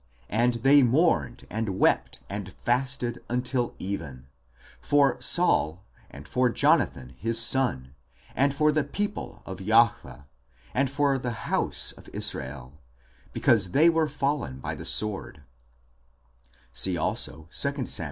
12 :" And they mourned, and wept and fasted until even, for Saul, and for Jonathan his son, and for the people of Jahwe, and for the house of Israel ; because they were fallen by the sword" (see also 2 Sam.